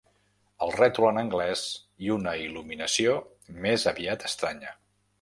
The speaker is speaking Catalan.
El rètol en anglès i una il·luminació més aviat estranya.